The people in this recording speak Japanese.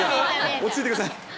落ち着いてください。